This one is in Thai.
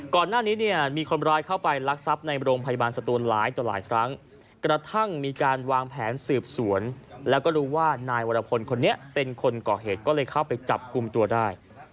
ก่อนหน้านี้เนี่ยมีคนร้ายเข้าไปรักทรัพย์ในโรงพยาบาลสตูนหลายต่อหลายครั้งกระทั่งมีการวางแผนสืบสวนแล้วก็รู้ว่านายวรพลคนนี้เป็นคนก่อเหตุก็เลยเข้าไปจับกลุ่มตัวได้